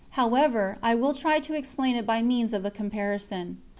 However, I will try to explain it by means of a comparison.